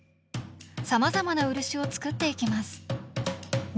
さまざまな漆を作っていきます。